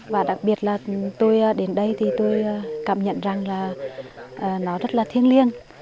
và đặc biệt là tôi đến đây thì tôi cảm nhận rằng là nó rất là thiêng liêng